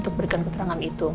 untuk berikan keterangan itu